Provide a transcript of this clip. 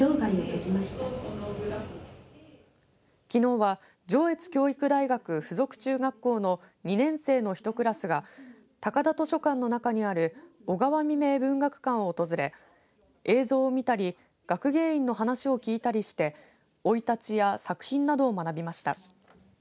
きのうは上越教育大学附属中学校の２年生の１クラスが高田図書館の中にある小川未明文学館を訪れ映像を見たり学芸員の話を聞いたりして生い立ちや作品などを学びました。